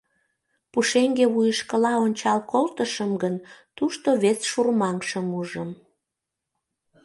Пушеҥге вуйышкыла ончал колтышым гын, тушто вес шурмаҥышым ужым.